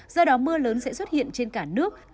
do đó mưa lớn sẽ xuất hiện trên cả nước